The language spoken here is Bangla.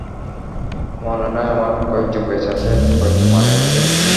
মনে নাই আমার, কয়েকজন বেঁচে আছে, কয়েকজন মারা গেছে।